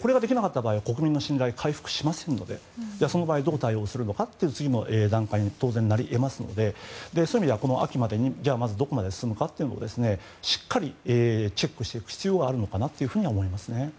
これができなかった場合は国民の信頼は回復しませんのでその場合、どう対応するのか次の段階に当然なり得ますのでそういう意味では秋までにじゃあ、まずどこまで進むかというのをしっかりチェックしていく必要はあるのかなと思いますね。